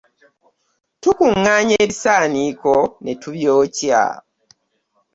Tukuŋŋaanya ebisaaniko ne tubyokya.